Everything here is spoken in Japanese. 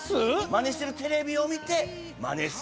まねしてるテレビを見てまね